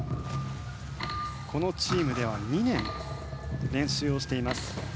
このチームでは２年練習をしています。